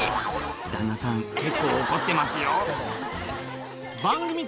旦那さん結構怒ってますよ